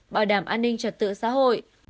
bảo đảm an ninh trật tự xã hội